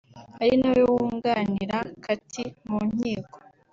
ari nawe wunganira Katie mu nkiko